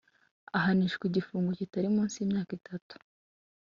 Ahanishwa igifungo kitari munsi y imyaka itatu